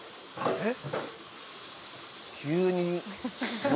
えっ？